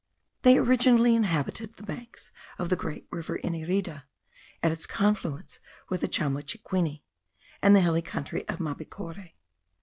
They originally inhabited the banks of the great river Inirida, at its confluence with the Chamochiquini, and the hilly country of Mabicore.